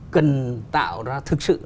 cần tạo ra thực sự